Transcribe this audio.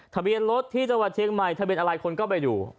ทะเบียนรถที่จังหวัดเชียงใหม่ทะเบียนอะไรคนก็ไปดู